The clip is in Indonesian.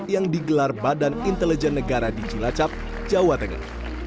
yang digelar badan intelijen negara di cilacap jawa tengah